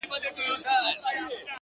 د غني ـ غني خوځښته قدم اخله’